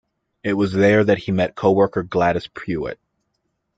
It was there that he met co-worker Gladys Prewett.